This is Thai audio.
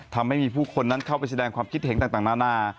ทำให้มีผู้คนนั้นเข้าไปแสดงความคิดเห็นต่างนานา